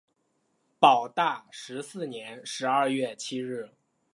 保大十四年十二月七日。